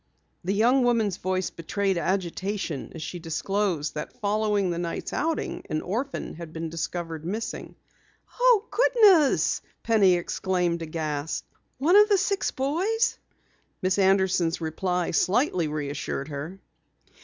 The young woman's voice betrayed agitation as she disclosed that following the night's outing, an orphan had been discovered missing. "Oh, goodness!" Penny exclaimed, aghast. "One of those six boys?" Miss Anderson's reply slightly reassured her.